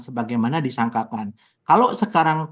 sebagaimana disangkakan kalau sekarang